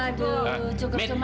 mengpaulah si seseorang fieldsis